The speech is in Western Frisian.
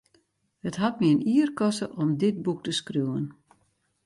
It hat my in jier koste om dit boek te skriuwen.